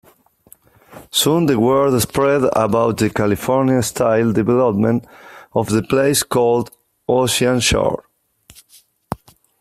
Soon the word spread about the California-style development of the place called Ocean Shores.